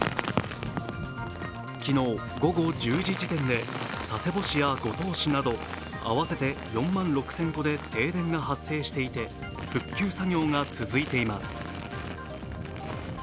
昨日午後１０時時点で佐世保市や五島市などあわせて４万６０００戸で停電が発生していて復旧作業が続いています。